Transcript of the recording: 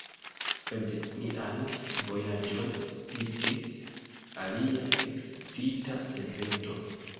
Sed nian vojaĝon spicis alia ekscita evento.